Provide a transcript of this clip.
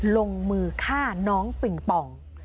ลงมือฆ่าน้องปิงปอง